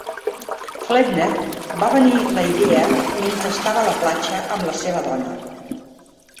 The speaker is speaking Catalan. Flettner va venir la idea mentre estava a la platja amb la seva dona.